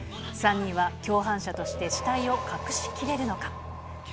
３人は共犯者として死体を隠しきれるのか。